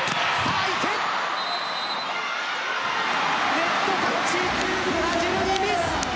ネットタッチ、ブラジルにミス。